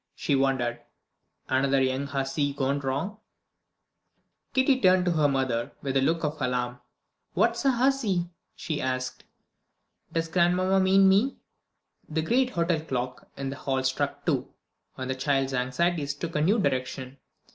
she wondered. "Another young hussy gone wrong?" Kitty turned to her mother with a look of alarm. "What's a hussy?" she asked. "Does grandmamma mean me?" The great hotel clock in the hall struck two, and the child's anxieties took a new direction.